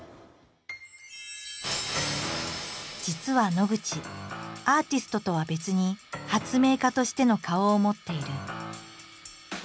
実は野口アーティストとは別に発明家としての顔を持っている。